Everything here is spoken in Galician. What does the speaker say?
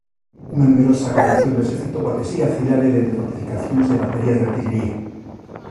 Unha numerosa gornición do exército protexía a cidade dende fortificacións e baterías de artillería.